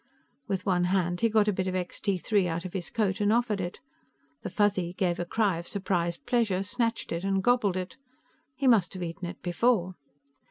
With one hand, he got a bit of Extee Three out of his coat and offered it; the Fuzzy gave a cry of surprised pleasure, snatched it and gobbled it. He must have eaten it before.